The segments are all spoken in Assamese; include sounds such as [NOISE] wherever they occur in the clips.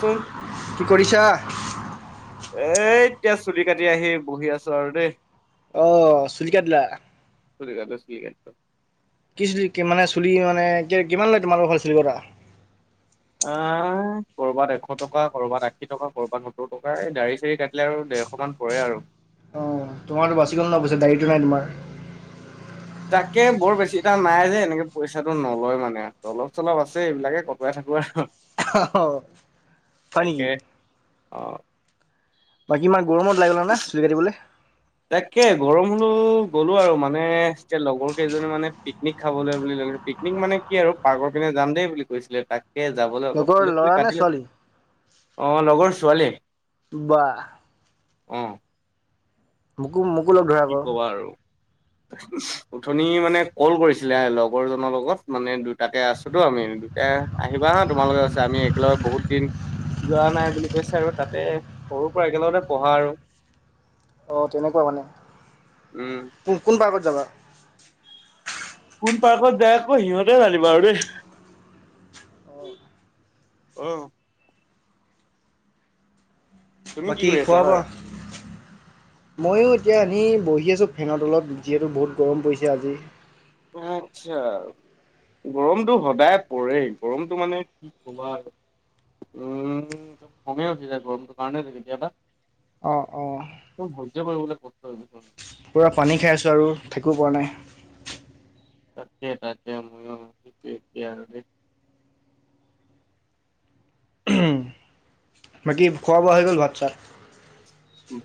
চোন কি কৰিছা? এই এতিয়া চুলি কাটি আহি বহি আছো আৰু দেই। অহ চুলি কাটিলা? চুলি কাটিলো চুলি কাটিলো। কি চুলি মানে চুলি মানে কিমান লয় তোমালোকৰ ফালে চুলি কটা? অহ কৰবাত এশ টকা, কৰবাত আশী টকা, কৰবাত সত্তৰ টকা, এই দাড়ি চাড়ি কাটিলে আৰু ডেৰশ মানে পৰে আৰু। অ তোমাৰতো বাচি গ'ল ন পিছে দাড়িটো নাই তোমাৰ? তাকে বৰ বেছি এটা নাই যে এনেকে পইচাটো নলয় মানে, অলপ চলপ আছে এইবিলাকে কটোৱাই থাকো আৰু হয় তাকে নেকি? অ বাকি ইমান গৰমত ওলাই গ'লা নে চুলি কাটিবলে। তাকে গৰম হলেও গ'লো আৰু মানে, এতিয়া লগৰ কেইজনী মানে পিকনিক খাবলৈ বুলি পিকনিক মানে কি আৰু পাৰ্কৰ পিনে যাম দেই বুলি কৈছিলে, তাই কে যাবলৈ অলপ লগৰ চুলি ল'ৰা তুলি নে কাটি ছোৱালী? লৈছো। অ লগৰ ছোৱালী? বাহ। অহ। মোকো মোকো লগ ধৰা আক। উঠনি মানে কল কৰিছিলে লগৰজনৰ লগত মানে দুটাকে আছোতো আমি। দুটাই আহিবা হা তোমালোকে তাৰপিছত, আমি একেলগে বহুত দিন যোৱা নাই বুলি কৈছে আৰু তাতে সৰু পৰা একেলগতে পঢ়া আৰু। অ তেনেকোৱা মানে, উম। কোন কোন পাৰ্কত যাবা? কোন পাৰ্কত যায় আক সিহঁতে জানিব আৰু দেই। অ। তুমি কি বাকী কৰি খোৱা আছা বোৱা? হয়? ময়ো এতিয়া এনে বহি আছোঁ ফেনৰ তলত, যিহেতু বহুত গৰম পৰিছে আজি। আচ্ছা। গৰমতো সদায় পৰে গৰমতো মানে কি কবা আৰু। উম একদম খঙে উঠি যায় গৰমটোৰ কাৰণে যে কেতিয়াবা। অ অ। সহ্য কৰিবলে কষ্ট হৈছে পূৰা পানী খাই আছো আৰু থাকিব পৰা নাই। তাকে তাকে মইয়ো এইটো এতিয়া আৰু বাকী খোৱা বোৱা হৈ গ'ল ভাত চাত?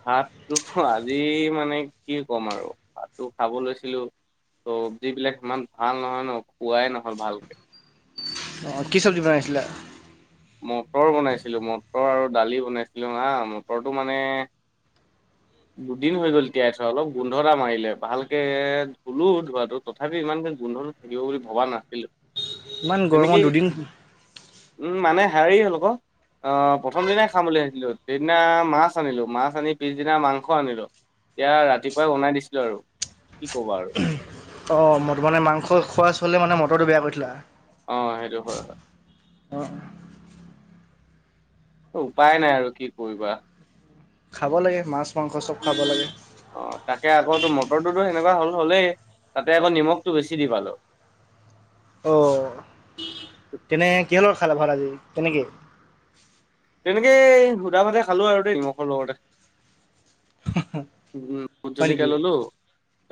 ভাতটো আজি মানে কি ক'ম আৰু ভাতটো খাব লৈছিলো চবজিবিলাক ইমান ভাল নহয় ন খুৱাই নহল ভালকে। অঁ কি চব্জি বনাইছিলো? মটৰ বনাইছিলোঁ মটৰ আৰু দালি বনাইছিলোঁ হা মটৰটো মানে। দুদিন হৈ গ'ল তিয়াই থোৱা অলপ গোন্ধ এটা মাৰিলে, ভালকে ধুলো ধোৱাটো তথাপিও ইমান। গোন্ধটো থাকিব বুলি ভবা নাছিলো। ইমান গৰমত তেনেকেই দুদিন। উম মানে হেৰিৰ হ'ল আকৌ। অ প্ৰথম দিনাই খাম বুলি ভিছিলো সেইদিনা মাছ আনিলো মাছ আনি পিছদিনা মাংস। আনিলো এতিয়া ৰাতিপুৱাই ওনাই দিছিলো আৰু কি কবা আৰু। অ ম মানে মাংস খোৱা চ হলে মানে মটৰটো বেয়া কৰিছিলা। অ সেইটো হয় হয়। অ। উপায় নাই আৰু কি কৰিবা খাব লাগে মাছ মাংস চব খাব লাগে অ তাকে আকৌ তো মটৰটোতো সেনেকোৱা হ'ল হ'লেই তাতে আকৌ নিমখটো বেছি দি পালো। অ তেনে কিহলৰ খালে ভাল আজি তেনেকে। তেনেকে সুধা ভাতে খালো আৰু দেই নিমখৰ লগতে। উ ভোট হয় জলকীয়া নেকি ললো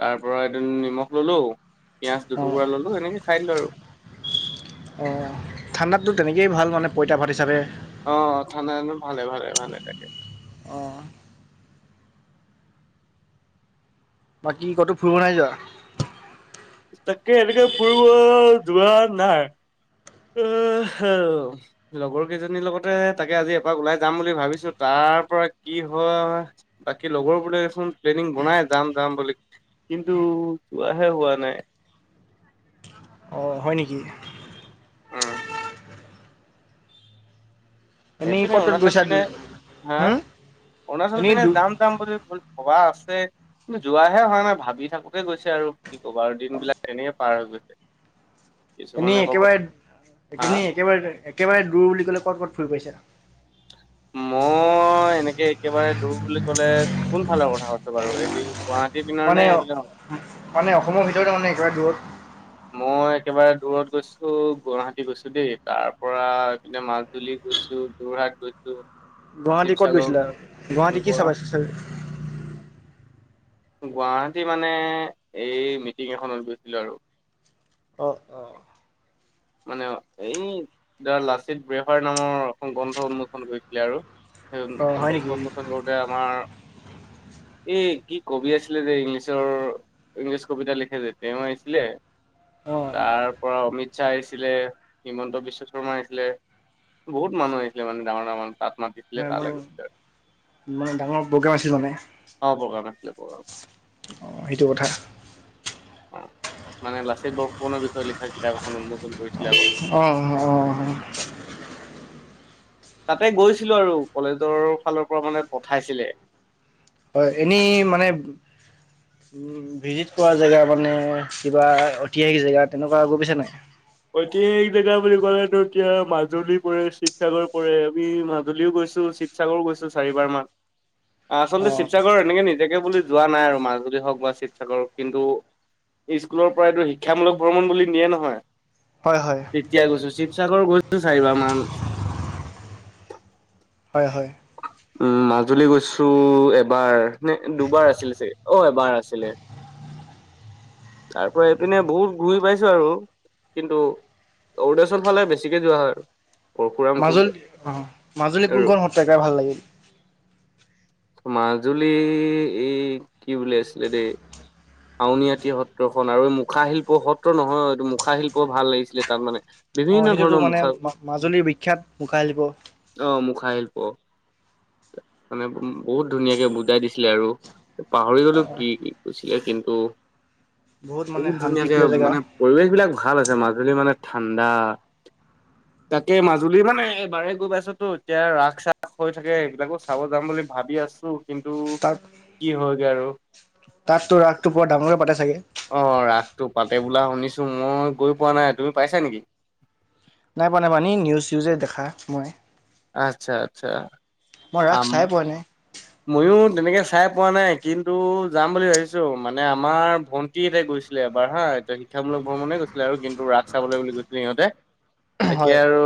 তাৰ পৰা এদিন নিমখ ললো। পিযয়াজ দুটুকুৰা ললো এনেকে খাই দিলো আৰু। অ ঠাণ্ডাতো তেনেকেই ভাল মানে পইতা ভাত হিচাপে। অ থানা ভালে ভালে ভালে থাকে। অঁ বাকী কতো ফুৰিব নাই যোৱা। তাকে এনেকে ফুৰিব যোৱা নাই। আহ লগৰ কেইজনীৰ লগতে তাকে আজি এপাক ওলাই যাম বুলি ভাবিছো তাৰ। তাৰ পৰা কি হয় বাকী লগৰ বোলে দেচোন প্লেনিং বনাই যাম যাম বুলি কি। কিু যোৱাহে হোৱা নাই। অঁ হয় নেকি। উম। এনেই এইপিনে ক'ত ক'ত অৰুণাচল গৈছা পিনে হা। হম অৰুণাচল এনেই পিনে দু দাম দাম বুলি ভবা আছে। কিন্তু যোৱাহে হ নাই ভাবি থাকোতে গৈছে আৰু কি কব আৰু দিন বিলাক তেনে পাৰ হৈ গৈছে। [UNINTELLIGIBLE] এনে ক'ব একেবাৰে হা এনে একেবাৰে একেবাৰে দূৰ বুলি ক'লে ক'ত ক'ত ফুৰি পৰিছে। মই এনেকে একেবাৰে দূৰ বুলি ক'লে কোন। ভালৰ কথা আছে বাৰু এ গুৱাহাটী। পিনৰ নে মানে এইবিলাক মানে অসমৰ ভিতৰতে ত মানে একেবাৰে দূৰত। মই একেবাৰে দূৰত গৈছো গুৱাহাটী গৈছো দেই তাৰ পৰাপিনে মাজুলী। গৈছো যোৰহাট গৈছো। গুৱাহাটী ক'ত শিৱসাগৰ গৈছিলে আৰু গুৱাহাটী কি গুৱা চাবাইছিল। গুৱাহাটী মানে এই মিটিং এখনত গৈছিলো আৰু। অঁ অঁ। মানে এই ধৰা লাচিত ব্ৰেহাৰ নামৰ এখন গ্ৰন্থ উন্মোচন কৰিছিলে আৰু। অ সেই হয় নেকি? বংশন্চন কৰোতে আমাৰ। এ কি কবি আছিলে যে ইংলিছৰ ইংলিছ কবিতা লিখে যে তেওঁ আহিছিলে। অ তাৰ পৰা অমিত। চাহ আহিছিলে হিমন্ত বিশ্ব শৰ্মা আহিছিলে বহুত মানুহ আহিছিলে মানে ডাঙৰ ডাঙৰ। তাত মাচ দিছিল মানে তালে মানে গৈছিলে। মানে ডাঙৰ প্ৰগ্ৰেম আছিল মানে। অ প্ৰগ্ৰাম আছিলে প্ৰগ্ৰাম অঁ সেইটো কথা। অ মানে লাচিত বৰফুকনৰ বিষয়ে লিখা কিতাপ এখন উন্মু অঁ অ তাতে গৈছিলো আৰু কলেজৰ ফালৰ পৰা মানে পঠাইছিলে হয় এনেই মানে উ ভিজিত কৰা জেগা মানে কিবা ঐতিহাসিক জেগা তেনেকুৱা গৈ পাইছা নাই ঐতিহাসিক জেগা বুলি কলে টো এতিয়া মাজুলী পৰে শিৱসাগৰ পৰে আমি মাজুলীও গৈছো শিৱসাগৰ গৈছো চাৰিবাৰ মান অ আচলতে শিৱসাগৰ এনেকে নিজাকে বুলি যোৱা নাই আৰু মাজুলী হওক বা শিৱসাগৰ হওক কিন্তু এই স্কুলৰ পৰা এইটো শিক্ষামূলক ভ্ৰমণ বুলি নিয়ে নহয়। হয় হয় তেতিয়া গৈছো শিৱসাগৰ গৈছো চাৰিবাৰ মান হয় হয় উম মাজুলী গৈছো এবাৰ নে দুবাৰ আছিলে চাগে অ এবাৰ আছিল ছিলে। তাৰ পৰা এইপিনে বহুত ঘূৰি পাইছো আৰু কিন্তু। অৰুণাচল ফালে বেছিকে যোৱা হয় আৰু। পৰশুৰাম কুণ্ড মাজুলী অ মাজুলী আৰু কোনখন সত্ৰকাই ভাল লাগিল। মাজুলী এই কি বুলি আছিলে দেই আউনীআটি সত্ৰখন আৰু এই মুখা শিল্প সত্ৰ নহয় এইটো মুখা শিল্প ভাল লাগিছিলে তাত মানে। অ বিভিন্ন সেইটোতো ধৰণৰ মানে মুখা অ মাজুলীৰ বিখ্যাত মুখাশিল্প মুখা মুখা শিল্প মানে বহুত ধুনীয়াকে বুজাই দিছিলে আৰু পাহৰি অ গলো কি কি কৈছিলে কিন্তু মানে বহুত ধুনীয়াকে শান্তিপ্ৰিয় জেগা মানে পৰিৱেশ বিলাক ভাল আছে মাজুলী মানে ঠাণ্ডা তাকে মাজুলী মানে এবাৰে গৈ পাইছো তো এতিয়া ৰাস চাস হৈ থাকে সেইবিলাকো চাব যাম বুলি ভাবি আছো। কিন্তু তাত কি হয়গৈ আৰু তাততো ৰাসটো বৰ ডাঙৰকে পাতে চাগে। অ ৰাসটো পাতে বোলা শুনিছো মই গৈ পোৱা নাই তুমি পাইছা নেকি নাই পোৱা নাই পোৱা নিউজ চিউজে দেখা মই। আচ্ছা আচ্ছা মই ৰাস চাই পোৱা নাই মইয়ো তেনেকে চাই পোৱা নাই কিন্তু যাম বুলি ভাবিছো মানে আমাৰ ভন্টি হেতে গৈ গৈছিলে এবাৰ হা এতিয়া শিক্ষামূলক ভ্ৰমণে গৈছিলে আৰু কিন্তু ৰাস চাবলৈ বুলি গৈছিলে সিহঁতে। তাকে হয় আৰু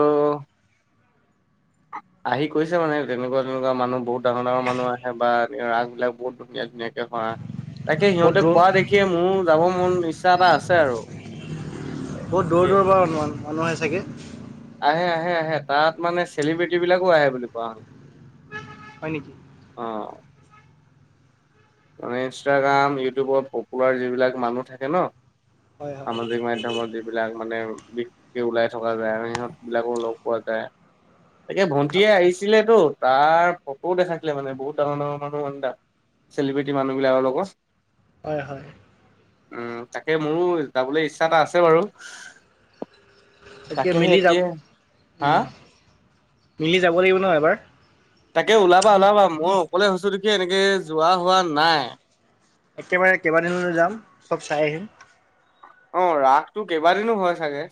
আহি কৈছে মানে তেনেকুৱা তেনেকুৱা মানুহ বহুত ডাঙৰ ডাঙৰ মানুহ আহে বাৰ ৰাসবিলাক বহুত ধুনীয়া ধুনীয়াকে হোৱা তাকে বহুত সিহঁতে দূৰ কোৱা দেখিয়ে মোৰ যাব মন ইচ্ছা এটা আছে আৰু বহুত দূৰ এ দূৰৰ পৰা ম মানুহ হয় চাগে আহে আহে আহে তাত মানে চেলিব্ৰিট বিলাকো আহে বুলি কোৱা শুনিছো হয় নেকি অ মে ইনষ্টাগ্ৰাম ইউটিউবত পপুলাৰ যিবিলাক মানুহ থাকে ন হয় হয় সামাজিক মাধ্যমত যিবিলাক মানে বিকে ওলাই থকা যায় আৰু সিহঁত বিলাকো লগ পোৱা যায় তাকে ভণ্টিয় আহিছিলেতো তাৰ ফটোও দেখাইছিলে মানে বহুত ডাঙৰ ডাঙৰ মানুহ মানো চেলিব্ৰেটি মানুহবিলাকৰ লগত হয় হয় উম তাকে মোৰো যাবলৈ ইচ্ছা এটা আছে বাৰু। তাকে মিলি তাকেহে যাম এতিয়া হা মিলি যাব লাগিব নহ এবাৰ তাকে ওলাবা ওলাবা মই অকলে হৈছো দেখি এনেকে যোৱা হোৱা নাই একেবাৰে কেইবাদিনলৈ যাম চব চাই আহিম। অহ, ৰাসটো কেইবাদিনো হয় চাগে।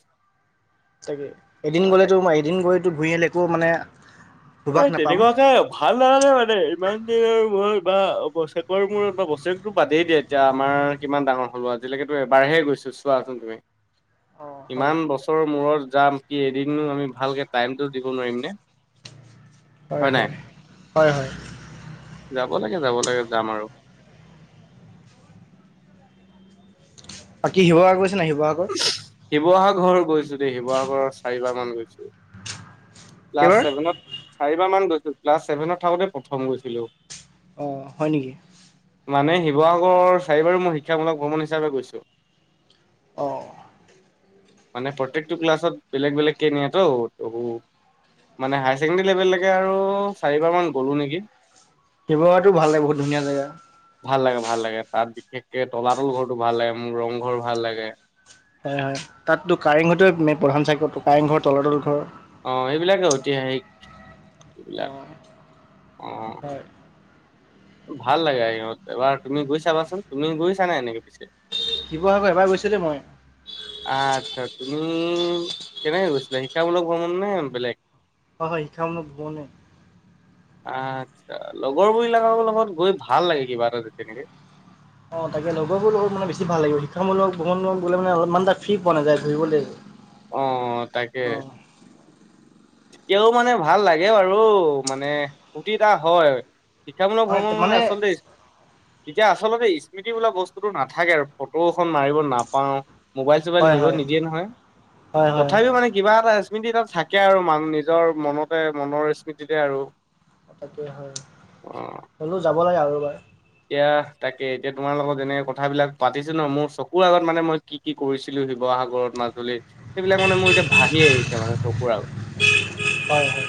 তাকে অ এদিন তাকে গ'লেতো এদিন গৈতো ঘূৰি আহিলে একো মানে সুবাস এই নাপাম তেনেকুৱাকে ভাল নালাগে মানে এ ইমান দিনৰ মূৰত বা বছৰেকৰ মূৰত বা বছৰেকৰটো বাদেই দিয়া এতিয়া আমাৰ কিমান ডাঙৰ হ'লো আজিলৈকে তো এবাৰহে গৈছো চোৱাচোন তুমি। অঁ হয় ইমান বছৰৰ মূৰত যাম কি এদিননো আমি ভালকে টাইমটো দিব নোৱাৰিমনে। হয় - হয় - হয় - হয় যাব লাগে -যাব লাগে যাম আৰু। বাকী শিৱসাগৰ গৈছা নাই শিৱসাগৰ? শিৱসাগৰ গৈছো দেই শিৱসাগৰৰ চাৰিবাৰ মান গৈছো ক্লাছ কেইবাৰ ছেভেনত চাৰিবাৰ মান গৈছিলো ক্লাছ ছেভেনত থাকোতে প্ৰথম গৈছিলো। অঁ হয় নেকি। শিৱসাগৰৰ চাৰিবাৰ মই শিক্ষামূলক ভ্ৰমণ হিচাপে গৈছোঁ। অঁ মানে প্ৰত্যেকটো ক্লাছত বেলেগ বেলেগ কে নিয়া তো তহু। মানে হায়াৰ ছেকেণ্ডেৰী লেভেললৈকে আৰু চাৰিবাৰমান গ'লোঁ নেকি। শিৱসাগৰটো ভাল লাগে বহুত ধুনীয়া জেগা। ভাল লাগে -ভাল লাগে তাত বিশেষকে তলাতল ঘৰটো ভাল লাগে মোৰ ৰংঘৰ ভাল লাগে। হয় -হয় তাততো কাৰেং ঘৰটোয়ে মে প্ৰধান চাকটো কাৰেংঘৰ তলাতল ঘৰ। অহ, এইবিলাকে ঐতিহাসিক এইবিলাক অঁ অহ। হয় ভাল লাগে আৰু সিহঁত এবাৰ তুমি গৈ চাবাচোন তুমি গৈছা নে এনেকে পিছে? শিৱসাগৰ এবাৰ গৈছোঁ দে মই। আচ্ছা তুমি কেনেকে গৈছিলা শিক্ষামলক ভ্ৰমণ নে বেলেগ? হয় -হয় শিক্ষা -মূলক ভ্ৰমনে। আচ্ছা লগৰবিলাকৰ লগত গৈ ভাল লাগে কিবা এটা যে তেনেকে। অহ, তাকে লগৰবোৰৰ লগত মানে বেছি ভাল লাগিব শিক্ষামূলক ভ্ৰমণত বোলে মানে অলপমান এটা ফ্ৰী পোৱা নাযায় ধৰিবলৈ অহ - অহ তাকে। তেতিয়াও মানে ভাল লাগে বাৰু মানে ফূৰ্তি এটা হয়। শিক্ষামূলক ভ্ৰমণ মানে আচলতে তেতিয়া আচলতে স্মৃতি বোলা বস্তুোটো নাথাকে আৰু ফটোএখন মাৰিব নাপাওঁ। মোবাইল -চোবাইল হয় নিব হয় নিদিয়ে নহয় হয় হয় তথাপিও মানে কিবা টা স্মৃতি তাত থাকে আৰু মান নিজৰ মনতে মনৰ স্মৃতিতে আৰু। তে হয় অ হ'লেও যাব লাগে আৰু এবাৰ। এতিয়া তাকে এতিয়া তোমাৰ লগত যেনেকে কথা বিলাক পাতিছো ন' মোৰ চকুৰ আগত মানে মই কি -কি কৰিছিলো শিৱসাগৰত, মাজুলী সেইবিলাক মানে মোৰ এতিয়া ভাহি আহিছে মানে চকুৰ আগত। হয় হয়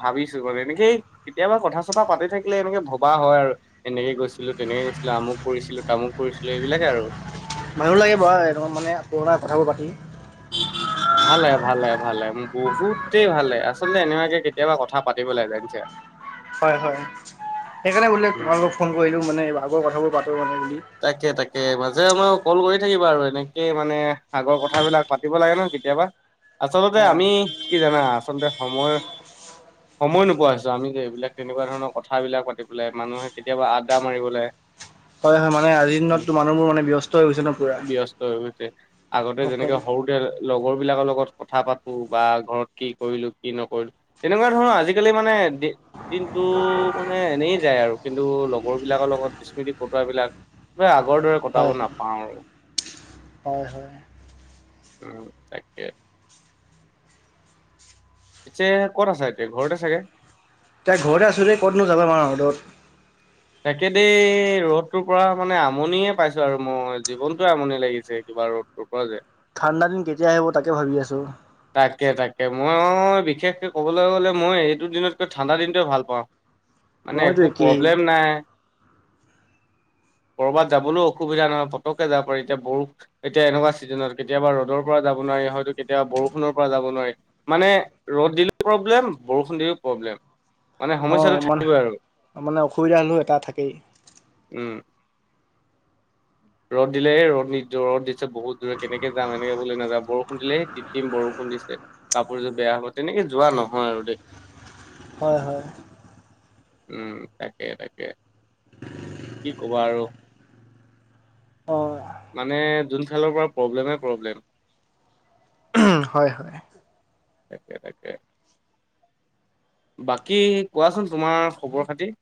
ভাবিছো মানে এনেকে কেতিয়াবা কথা- চথা পাতি থাকিলে এনেকে ভবা হয় আৰু। এনেকে গৈছিলো, তেনেকে গৈছিলো আমুক কৰিছিলো, তামুক কৰিছিলো এইবিলাকে আৰু। ভালো লাগে বাৰো এনেকৈ মানে পুৰণা কথাবোৰ পাতি। ভাল লাগে - ভাল লাগে- ভাল লাগে বহুতেই ভালে আচলতে এনেুৱাকে কেতিয়াবা কথা পাতিব লাগে জানচা হয় -হয় সেইকাৰণে বোলে তোমালও ফোন কৰিলো মানে আগৰ কথাবোৰ পাতো মানে বুলি তাকে -তাকে। তাকে মাজে মই কল কৰি থাকিবা আৰু এনেকেই মানে আগৰ কথাবিলাক পাতিব লাগে ন'কেতিয়াবা আচলতে অঁ আমি কি জানা আচলতে সময় সময় নোপোৱা হৈছো আমি যে এইবিলাক তেনেকুৱা ধৰণৰ কথাবিলাক মাতি পেলাই মানুহে কেতিয়াবা আড্ডা মাৰিবলৈ [INAUDIBLE] হয় হয় মানে আজিৰ দিনততো মানুহবোৰ মানে ব্যস্ত হৈ গৈছে ন পুৰা ব্যস্ত হৈ গৈছে আগতে সকলো যেনেকে সৰুতে লগৰ বিলাকৰ লগত কথা পাতো বা ঘৰত কি কৰিলো কি নকৰিলো তেনেকুৱা ধৰৰ আজিকালি মানে দিনটো মানে এনেই যায় আৰু কিন্তু লগৰ বিলাকৰ লগত স্মৃতি কোৱা বিলাক পোৰা আগৰ দৰে কটাব হয় হয় নাপাও আৰু। হয় হয় উম, তাকেই। পিছে কত আছা এতিয়া ঘৰতে চাগে? তাই ঘৰতে আছোঁ দেই ক'তনো যাবা ইমান ৰ'দত। তাকে দেই ৰ'দটোৰ পৰা মানে আমনিয়ে পাইছো আৰু মই জীৱনতয়ে আমনি লাগিছে কিবা। ৰ'দটোপা যে ঠাণ্ডা দিন কেতিয়া আহিব তাকে ভাবি আছোঁ। তাকে তাকে মই অ বিশেষকে ক'বলৈ গ'লে মই এইটো দিনতকৈ ঠাণ্ডা দিনটোৱে ভাল পাওঁ। মইতো একেই। [UNINTELLIGIBLE] কৰ'ৰবাত যাবলৈও অসুবিধা নহয় পতকে যাব পাৰি এতিয়া বৰ এতিয়া এনেকুৱা চিজনত কেতিয়াবা ৰ'দৰ পৰা যাব নোৱাৰি হয়তো কেতিয়াবা বৰষুণৰ পৰা যাব নোৱাৰি মানে ৰ'দ দিলেও প্ৰব্লেম বৰষুণ দিলেও প্ৰব্লেম। মানে অ সমস্যাটো ইমান থাকিবই আৰু মানে অসুবিধা হ'লেও এটা থাকেই। উম ৰ'দ দিলে ৰ'দ নি ৰ'দ দি বহুত দূৰত কেনেকে যাম এনেকে বোলে নাযা বৰষুণ দিলেই টিম- টিম বৰষুণ দিছে কাপোৰযোৰ বেয়া হ'ব তেনেকে যোৱা নহয় আৰু দেই। [INAUDIBLE] হয় -হয়। উম তাকে তাকে কি ক'বা আৰু অ মানে যোন খালৰ পৰা প্ৰব্লেমে প্ৰব্লেম উম হয় হয় তাকে তাকে বাকী কোৱাচোন তোমাৰ খবৰ খাতি?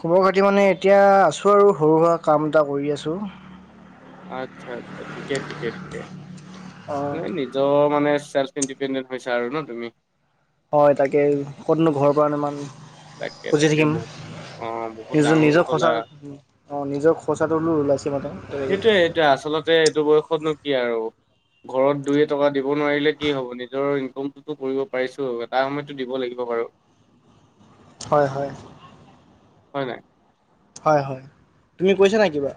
খবৰ খাতি মানে এতিয়া আছোঁ আৰু সৰু সুৰা কাম এটা কৰি আছোঁ। আচ্ছা আচ্ছা ঠিকে ঠিকে ঠিকে অ নিজৰ মানে চেল্ফ ইণ্ডিপেডেন্ট হৈছে আৰু ন তুমি হয় তাকে ক'তনো ঘৰৰ পৰা ইমান তাকে খুজি তাকে থাকিম বহ নিজৰ নিজৰ খৰচা অ নিজৰ খৰচাটো হলো ওলাইছে মানে তাকে সেইটোয়ে সেইটোয়ে আচলতে এইটো বয়সত নো কি আৰু ঘৰত দুইয়ে টকা দিব নোৱাৰিলে কি হ'ব নিজৰ ইনকমটোতো কৰিব পাৰিছো এটা সময়তো দিব লাগিব। বাৰু হয় হয়। হয় নাই? হয় হয় তুমি কৰিছা নাই কিবা?